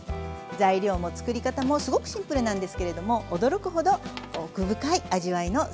材料も作り方もすごくシンプルなんですけれども驚くほど奥深い味わいのスープに仕上がります。